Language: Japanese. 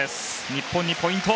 日本にポイント。